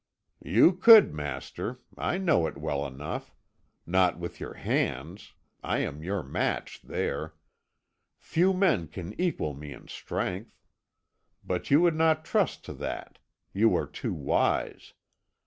"You could, master I know it well enough. Not with your hands; I am your match there. Few men can equal me in strength. But you would not trust to that; you are too wise.